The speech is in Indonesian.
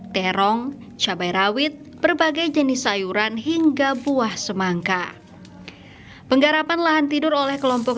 terong cabai rawit berbagai jenis sayuran hingga buah semangka penggarapan lahan tidur oleh kelompok